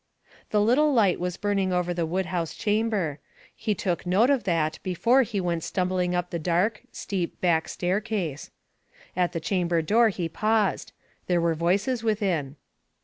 The little light was burning over the wood house chamber. He took note of that before he went stumbling up the dark, steep back stair case. At the. chamber door he paused; there were voices within.